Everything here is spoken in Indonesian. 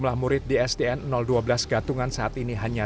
berarti dua tahun ini ya